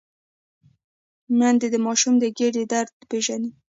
میندې د ماشوم د ګیډې درد پېژني۔